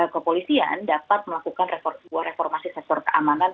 kepolisian dapat melakukan sebuah reformasi sektor keamanan